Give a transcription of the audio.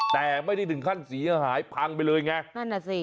แต่ไม่ได้ถึงขั้นเสียหายพังไปเลยไงนั่นน่ะสิ